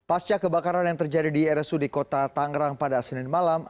pasca kebakaran yang terjadi di rsud kota tangerang pada senin malam